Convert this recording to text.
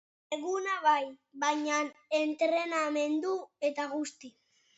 Lan eguna bai, baina entrenamendu eta guzti.